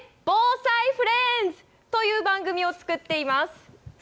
防災フレンズという番組を作っています。